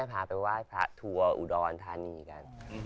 พาไปไหว้พระทัวร์อุดรธานีกัน